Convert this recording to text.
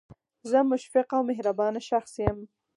زه مشفق او مهربانه شخص یم